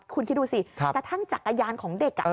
คุณคิดดูสิกระทั่งจักรยานของเด็ก